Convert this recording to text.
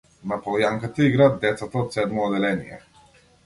На полјанката играат децата од седмо одделение.